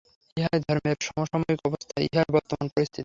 ইহাই ধর্মের সমসাময়িক অবস্থা, ইহাই বর্তমান পরিস্থিতি।